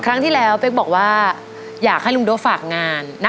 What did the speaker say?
ครั้งที่แล้วเป๊กบอกว่าอยากให้ลุงโด๊ฝากงานนะ